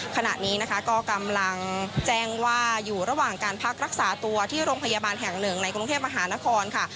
ขณะนี้นะคะก็กำลังแจ้งว่าอยู่ระหว่างการพักรักษาตัวที่โรงพยาบาลแห่งหนึ่งในกรุงเทพมหานครค่ะ